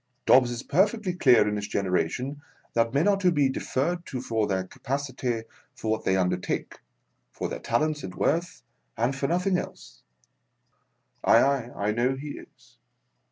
Dobbs is perfectly clear in his generation that men are to be deferred to for their capacity for what they undertake, for their talents and worth, and for nothing else. Aye, aye, I know he is.